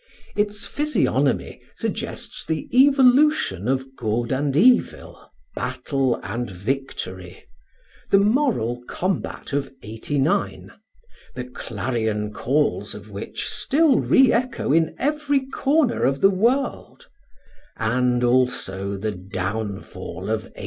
Its physiognomy suggests the evolution of good and evil, battle and victory; the moral combat of '89, the clarion calls of which still re echo in every corner of the world; and also the downfall of 1814.